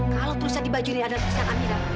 kalau tulisan di baju ini adalah kecelakaan amira